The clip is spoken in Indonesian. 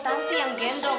nanti yang gendong